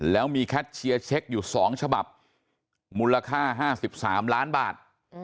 แล้วมีแคทเชียร์เช็คอยู่๒ฉบับมูลค่า๕๓ล้านบาท